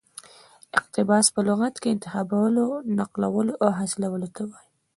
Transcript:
اقتباس په لغت کښي انتخابولو، نقلولو او حاصلولو ته وايي.